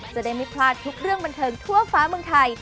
จะได้ไม่พลาดทุกเรื่องบันเทิงทั่วฟ้าเมืองไทย